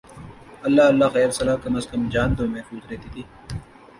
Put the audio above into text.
اللہ اللہ خیر سلا کم از کم جان تو محفوظ رہتی تھی۔